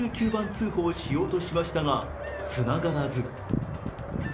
通報しようとしましたが、つながらず。